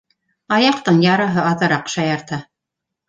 — Аяҡтың яраһы аҙыраҡ шаярта.